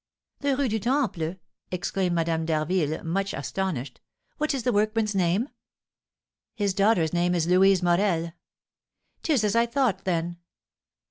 "The Rue du Temple!" exclaimed Madame d'Harville, much astonished; "what is the workman's name?" "His daughter's name is Louise Morel." "'Tis as I thought, then!"